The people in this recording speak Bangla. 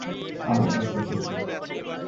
আসলে, দেখেছি।